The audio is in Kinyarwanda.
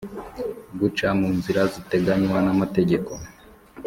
guca mu nzira ziteganywa n amategeko